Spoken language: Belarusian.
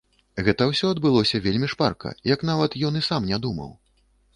Гэта ўсё адбылося вельмі шпарка, як нават ён і сам не думаў.